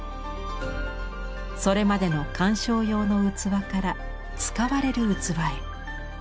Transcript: それまでの鑑賞用の器から使われる器へ。